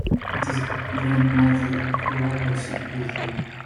It is grandmother Haruko's birthday.